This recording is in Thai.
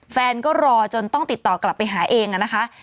แฟนก็รอจนต้องติดต่อกลับไปหาเองนะคะ